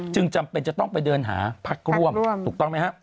จำเป็นจะต้องไปเดินหาพักร่วมถูกต้องไหมฮะ